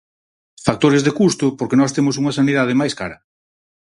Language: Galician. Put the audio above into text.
Factores de custo porque nós temos unha sanidade máis cara.